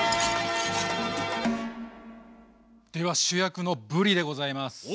では主役のぶりでございます！